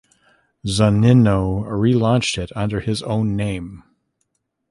Zunino relaunched it under his own name.